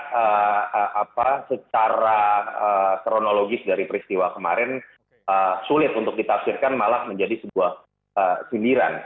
karena secara kronologis dari peristiwa kemarin sulit untuk ditaksirkan malah menjadi sebuah sindiran